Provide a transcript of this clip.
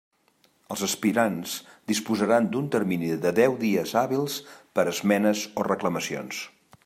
Els aspirants disposaran d'un termini de deu dies hàbils per a esmenes o reclamacions.